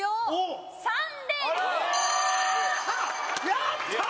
やったー！